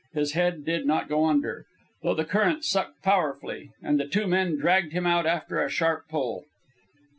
His head did not go under, though the current sucked powerfully, and the two men dragged him out after a sharp pull.